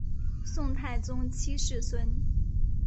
宋太宗七世孙。